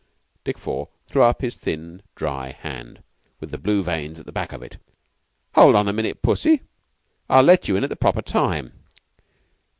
Dick Four threw up his thin, dry hand with the blue veins at the back of it. "Hold on a minute, Pussy; I'll let you in at the proper time.